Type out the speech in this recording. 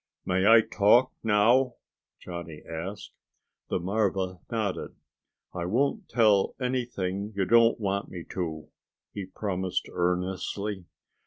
"May I talk now?" Johnny asked. The marva nodded. "I won't tell anything you don't want me to," he promised earnestly.